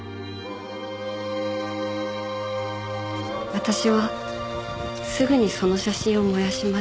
私はすぐにその写真を燃やしました。